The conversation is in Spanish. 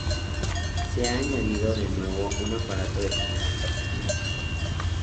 Se ha añadido de nuevo un aparato de señales ópticas.